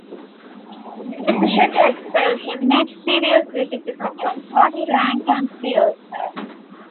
The decision to expel him met severe criticism from party rank-and-files.